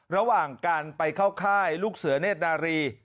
ระหว่างการไปเข้าค่ายลูกเสือเนธนารี